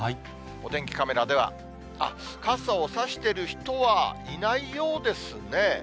お天気カメラでは、傘を差してる人はいないようですね。